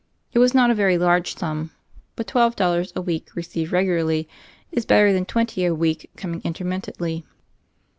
It was not a veiy large sum; but twelve dollars a week received regularly is better than twenty a week coming intermittently.